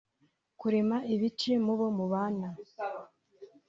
kurema ibice mu bo mubana